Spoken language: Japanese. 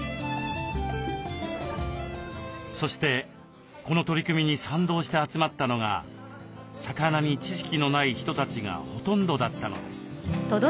そしてこの取り組みに賛同して集まったのが魚に知識のない人たちがほとんどだったのです。